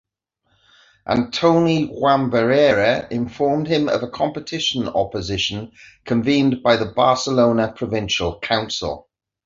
Antoni Jaume Barrera, informed him of a competition-opposition convened by the Barcelona Provincial Council.